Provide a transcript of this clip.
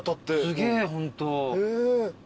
すげえホント。